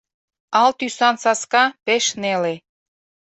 Ал тӱсан саска, пеш неле